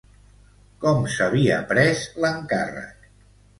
Com s'havia pres l'encàrrec?